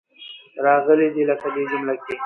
راغلې دي. لکه دې جمله کې.